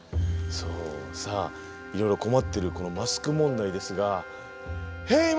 さあいろいろ困ってるこのマスク問題ですがヘイ！